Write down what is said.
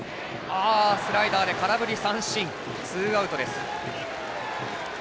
スライダーで空振り三振、ツーアウト。